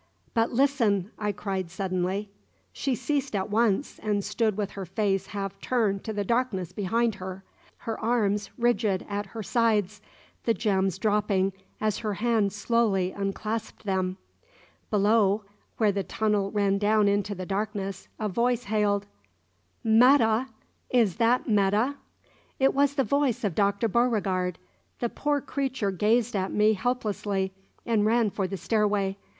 "But listen!" I cried suddenly. She ceased at once, and stood with her face half turned to the darkness behind her, her arms rigid at her sides, the gems dropping as her hand slowly unclasped them. Below, where the tunnel ran down into darkness, a voice hailed "'Metta! Is that 'Metta?" It was the voice of Dr. Beauregard. The poor creature gazed at me helplessly and ran for the stairway.